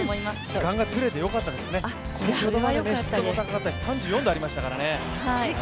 時間がずれてよかったですね、先ほどまで湿度も高かったし、３４度ありましたからね。